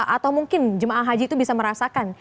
atau mungkin jemaah haji itu bisa merasakan